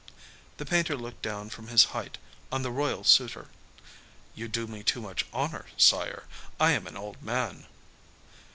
The painter looked down from his height on the royal suitor. "You do me too much honor, sire. I am an old man."